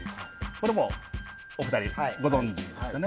これはお二人ご存じですよね？